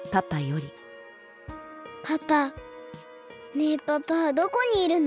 ねえパパはどこにいるの？